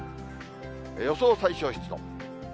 予想最小湿度。